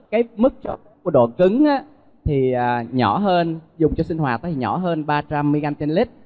cái mức của độ cứng thì nhỏ hơn dùng cho sinh hoạt nó thì nhỏ hơn ba trăm linh mg trên lít